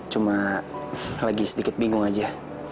cuma lagi sedikit bingung aja